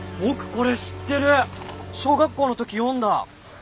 僕これ知ってる！小学校の時読んだ！